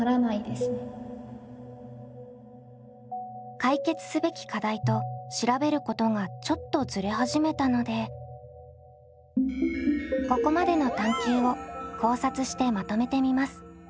解決すべき課題と調べることがちょっとずれ始めたのでここまでの探究を考察してまとめてみます。